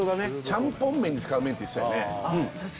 ちゃんぽん麺に使う麺って言ってたよね